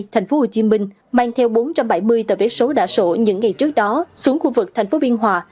tp hcm mang theo bốn trăm bảy mươi tờ vé số đã sổ những ngày trước đó xuống khu vực tp biên hòa